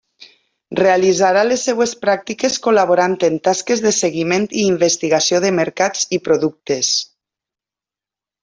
Realitzarà les seues pràctiques col·laborant en tasques de seguiment i investigació de mercats i productes.